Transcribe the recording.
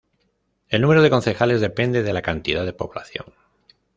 El número de concejales depende de la cantidad de población.